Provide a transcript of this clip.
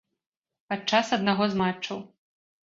Падчас аднаго з матчаў.